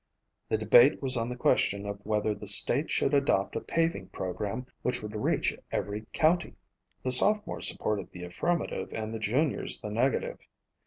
The debate was on the question of whether the state should adopt a paving program which would reach every county. The sophomores supported the affirmative and the juniors the negative.